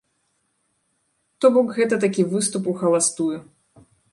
То бок, гэта такі выступ ухаластую.